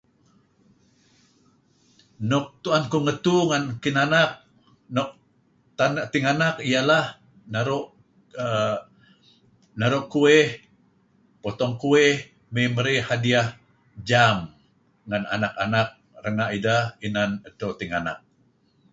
Nuk tuen kuh ngetu ngen kinanak nuk tinganak naru' kueh, potong kueh, may marey hadiah jam ngen anak-anak renga' ideh inan edto tinganak.